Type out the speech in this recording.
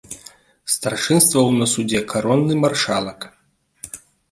Старшынстваваў на судзе каронны маршалак.